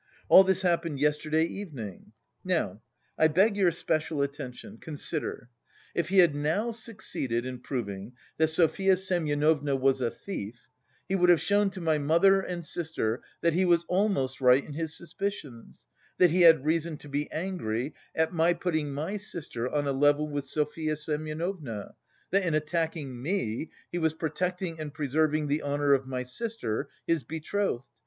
All this happened yesterday evening. Now I beg your special attention: consider: if he had now succeeded in proving that Sofya Semyonovna was a thief, he would have shown to my mother and sister that he was almost right in his suspicions, that he had reason to be angry at my putting my sister on a level with Sofya Semyonovna, that, in attacking me, he was protecting and preserving the honour of my sister, his betrothed.